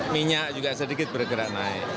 minyak juga sedikit bergerak naik